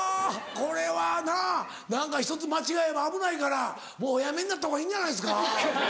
これはなぁ何かひとつ間違えば危ないからもうおやめになったほうがいいんじゃないですか？